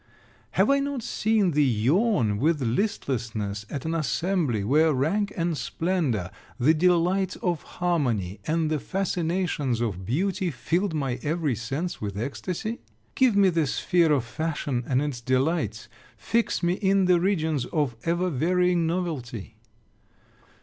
Have I not seen thee yawn with listlessness at an assembly, where rank and splendor, the delights of harmony, and the fascinations of beauty, filled my every sense with exstacy? Give me the sphere of fashion, and its delights! Fix me in the regions of ever varying novelty!